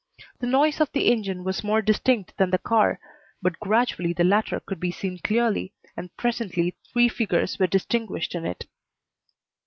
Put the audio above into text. The noise of the engine was more distinct than the car, but gradually the latter could be seen clearly, and presently three figures were distinguished in it.